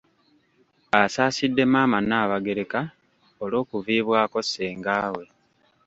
Asaasidde Maama Nnaabagereka olw’okuviibwako ssenga we.